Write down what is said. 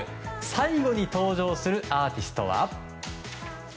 最後に登場するアーティストは？